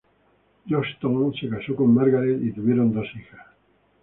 Johnstone se casó con Margaret y tuvieron dos hijas.